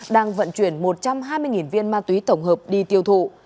đang vận chuyển một trăm hai mươi viên ma túy tổng hợp đi tiêu thụ